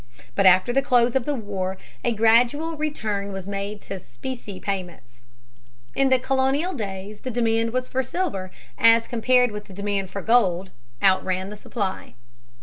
But after the close of the war a gradual return was made to specie payments. In the colonial days the demand for silver, as compared with the demand for gold, outran the supply.